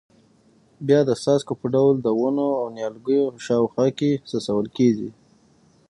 بیا د څاڅکو په ډول د ونو او نیالګیو په شاوخوا کې څڅول کېږي.